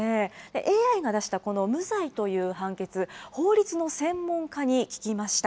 ＡＩが出したこの無罪という判決、法律の専門家に聞きました。